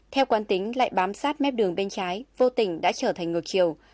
theo quán tính lại bám sát mép đường bên trái vô tình đã trở thành ngược chiều